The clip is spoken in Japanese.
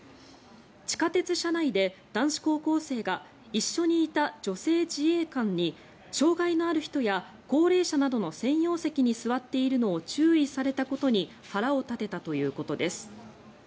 地下鉄車内で男子高校生が一緒にいた女性自衛官に障害のある人や高齢者などの専用席に座っているのを注意されたことに腹を立てたということです。